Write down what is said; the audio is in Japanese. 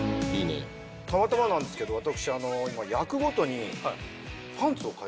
たまたまなんですけど私。